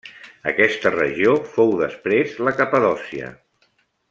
Aquesta regió fou després la Capadòcia.